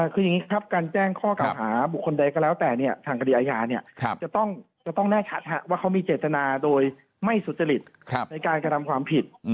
การแจ้งข้อกำหาบุคคลใดแล้วแต่ทางกดิอาญาจะต้องแน่ชัดว่ามีเจตนาโดยไม่สุจริตในการทำความผิด